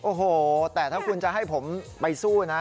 โอ้โหแต่ถ้าคุณจะให้ผมไปสู้นะ